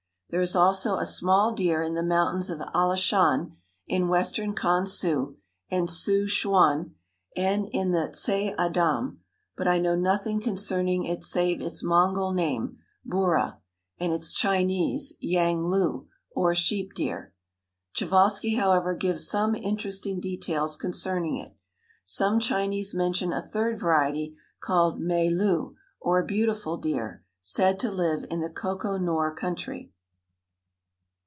There is also a small deer in the mountains of Alashan, in western Kan su and Ssu ch'uan, and in the Ts'aidam; but I know nothing concerning it save its Mongol name, bura, and its Chinese, yang lu, or "sheep deer." Prjevalsky, however, gives some interesting details concerning it. Some Chinese mention a third variety, called mei lu, or "beautiful deer," said to live in the Koko Nor country.